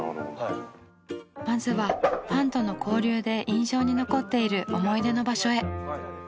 まずはファンとの交流で印象に残っている思い出の場所へ。